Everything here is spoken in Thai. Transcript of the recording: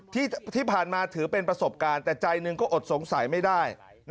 ที่ผ่านมาถือเป็นประสบการณ์แต่ใจหนึ่งก็อดสงสัยไม่ได้